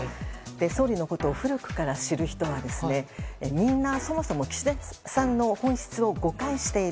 総理のことを古くから知る人はみんなそもそも岸田さんの本質を誤解している。